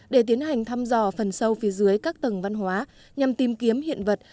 để tiến hành thăm dò phần sâu phía dưới các tầng văn hóa nhằm tìm kiếm hiện vật